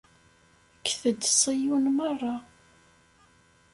Kket-d Ṣiyun merra.